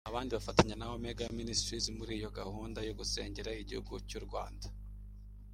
Abandi bafatanya na Omega Ministries muri iyo gahunda yo gusengera igihugu cy'u Rwanda